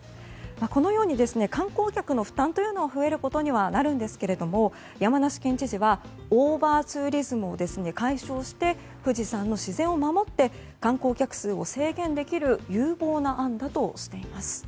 このように観光客の負担は増えることになりますが山梨県知事はオーバーツーリズムを解消して富士山の自然を守って観光客数を制限できる有望な案だとしています。